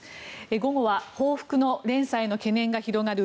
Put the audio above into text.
午後は報復の連鎖への懸念が広がる